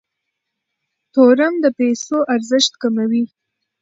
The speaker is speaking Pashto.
تورم د پیسو ارزښت کموي.